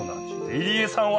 入江さんは。